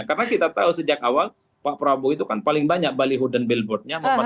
karena kita tahu sejak awal pak prabu itu kan paling banyak balihud dan billboardnya memasang foto